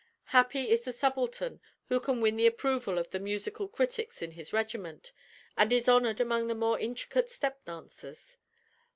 Happy is the subaltern who can win the approval of the musical critics in his regiment, and is honored among the more intricate step dancers.